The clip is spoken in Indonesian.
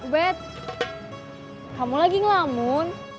bet kamu lagi ngelamun